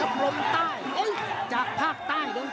ต้องกลับไปต้องกลับไปต้องกลับไป